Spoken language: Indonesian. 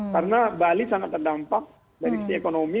karena bali sangat terdampak dari sisi ekonomi